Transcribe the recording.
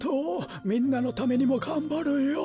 みんなのためにもがんばるよ。